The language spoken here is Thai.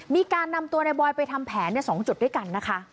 มีการนำตัวในบอยไปทำแผน๒จุดด้วยกันนะคะ